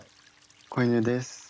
子犬です。